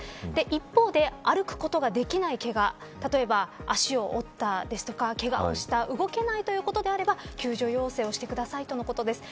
一方で、歩くことができないけが例えば足を折った、ですとかけがをした動けないということであれば救助要請をしてくださいとのことです。